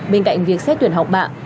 bên cạnh việc xét tuyển học bạn